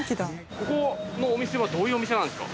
ここのお店はどういうお店なんですか？